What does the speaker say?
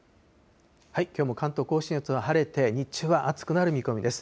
きょうも関東甲信越は晴れて、日中は暑くなる見込みです。